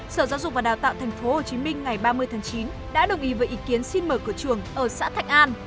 sở giáo dục và đào tạo tp hcm ngày ba mươi tháng chín đã đồng ý với ý kiến xin mở cửa trường ở xã thạnh an